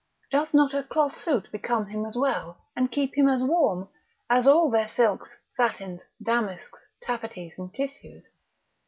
Doth not a cloth suit become him as well, and keep him as warm, as all their silks, satins, damasks, taffeties and tissues?